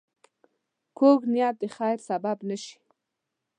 کوږ نیت د خیر سبب نه شي